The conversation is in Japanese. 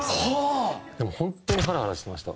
でも本当にハラハラしてました。